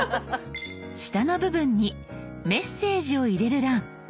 下の部分にメッセージを入れる欄。